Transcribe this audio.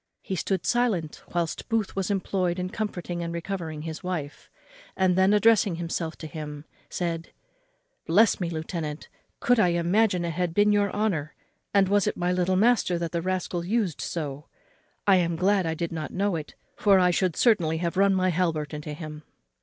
He stood silent whilst Booth was employed in comforting and recovering his wife; and then, addressing himself to him, said, "Bless me! lieutenant, could I imagine it had been your honour; and was it my little master that the rascal used so? I am glad I did not know it, for I should certainly have run my halbert into him."